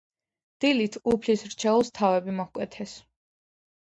დილით უფლის რჩეულს თავები მოჰკვეთეს.